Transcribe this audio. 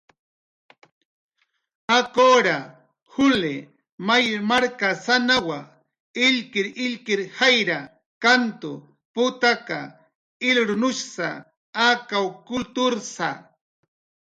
Akura, Juli may markasanawa, illkirillkirir jayra, kantu, putaka, ilrunushsa akaw kultursa.